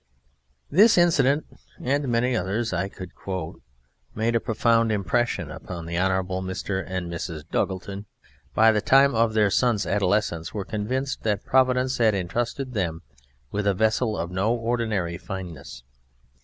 This incident and many others I could quote made a profound impression upon the Honourable Mr. and Mrs. Duggleton, who, by the time of their son's adolescence, were convinced that Providence had entrusted them with a vessel of no ordinary fineness.